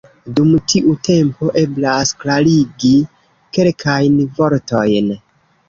Dum tiu tempo eblas klarigi kelkajn vortojn.